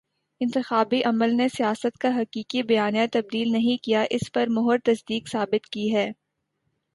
انتخابی عمل نے سیاست کا حقیقی بیانیہ تبدیل نہیں کیا، اس پر مہر تصدیق ثبت کی ہے۔